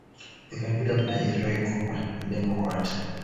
The current Governor is Roy Cooper, a Democrat.